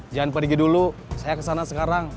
jangan pergi dulu saya kesana sekarang